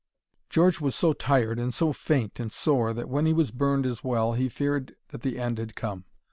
George was so tired and so faint and sore, that when he was burned as well, he feared that the end had come.